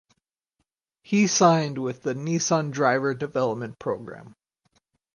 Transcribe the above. He signed with the Nissan Driver Development Program.